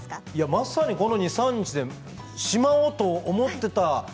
まさにこの２、３日でしまおうと思っていた。